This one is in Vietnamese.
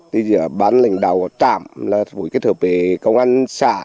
từ giờ bán lệnh đầu trảm là một cái thợ bể công an xã